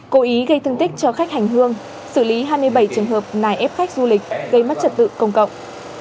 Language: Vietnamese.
cố ý gây thương tích cho khách hành hương xử lý hai mươi bảy trường hợp nài ép khách du lịch gây mất trật tự công cộng